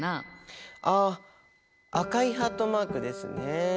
あ赤いハートマークですね。